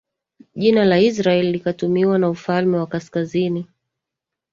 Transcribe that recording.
jina la Israeli likatumiwa na ufalme wa kaskazini